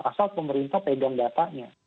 asal pemerintah pegang datanya